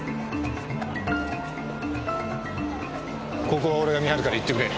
ここは俺が見張るから行ってくれ。